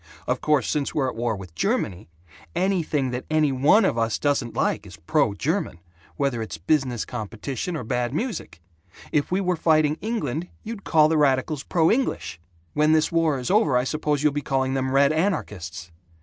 Of course, since we're at war with Germany, anything that any one of us doesn't like is 'pro German,' whether it's business competition or bad music. If we were fighting England, you'd call the radicals 'pro English.' When this war is over, I suppose you'll be calling them 'red anarchists.'